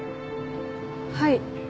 はい。